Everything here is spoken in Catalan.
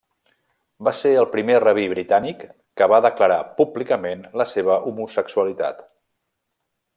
Va ser el primer rabí britànic que va declarar públicament la seva homosexualitat.